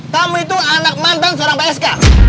kamu itu anak mantan seorang psk